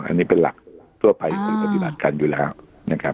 อันนี้เป็นหลักทั่วไปคือปฏิบัติกันอยู่แล้วนะครับ